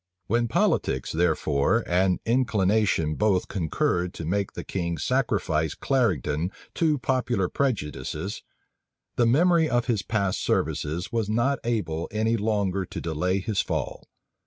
When politics, therefore, and inclination both concurred to make the king sacrifice Clarendon to popular prejudices, the memory of his past services was not able any longer to delay his fall.